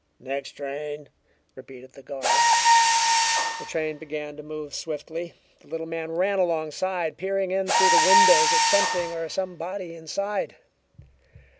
"Next train," repeated the guard. The train began to move swiftly. The little man ran alongside, peering in through the windows at something or somebody inside.